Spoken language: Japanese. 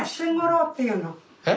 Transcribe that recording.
えっ？